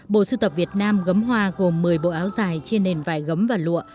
bộ sưu tập việt nam gấm hoa gồm một mươi bộ áo dài trên nền vải gấm và lụa